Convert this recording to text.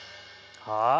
はい。